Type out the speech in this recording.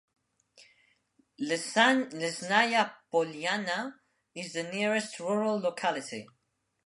Lesnaya Polyana is the nearest rural locality.